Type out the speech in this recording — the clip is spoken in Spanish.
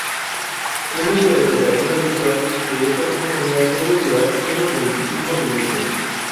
Una interpretación habitual de esta sinfonía suele durar unos veinticinco minutos.